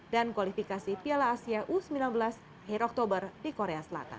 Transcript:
dan kualifikasi piala asia u sembilan belas heroktober di korea selatan